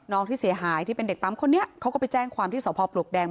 ที่เสียหายที่เป็นเด็กปั๊มคนนี้เขาก็ไปแจ้งความที่สพปลวกแดง